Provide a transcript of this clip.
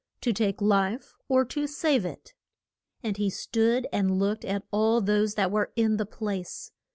to take life or to save it? And he stood and looked at all those that were in the place.